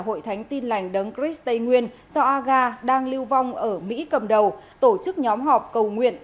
hội thánh tin lành đấng chris tây nguyên do aga đang lưu vong ở mỹ cầm đầu tổ chức nhóm họp cầu nguyện